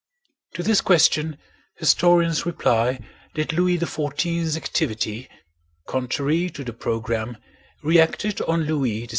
To this question historians reply that Louis XIV's activity, contrary to the program, reacted on Louis XVI.